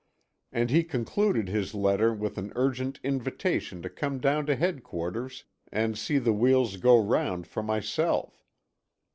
And he concluded his letter with an urgent invitation to come down to headquarters and see the wheels go round for myself.